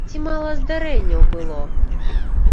Ці мала здарэнняў было?